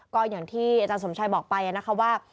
ก็อย่างที่อาจารย์สมชัยบอกไปนะคะว่า